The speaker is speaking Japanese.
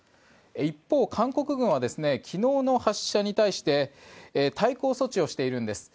一方、韓国軍は昨日の発射に対して対抗措置をしているんです。